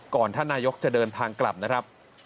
ท่านนายกจะเดินทางกลับนะครับ